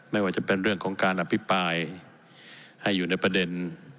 ไม่ว่าจะเป็นเรื่องของการอภิปรายให้อยู่ในประเด็น